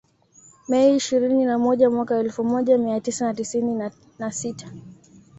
Mei ishirini na moja mwaka elfu moja mia tisa na tisini na sita